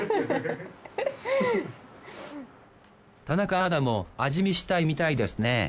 田中アナも味見したいみたいですね